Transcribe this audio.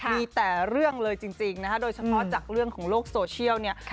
มีแต่เรื่องเลยจริงนะคะโดยเฉพาะจากเรื่องของโลกโซเชียลเนี่ย